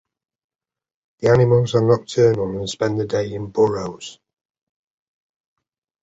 The animals are nocturnal and spend the day in burrows.